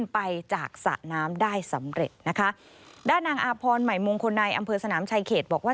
ไปจากสระน้ำได้สำเร็จนะคะด้านนางอาพรใหม่มงคลในอำเภอสนามชายเขตบอกว่า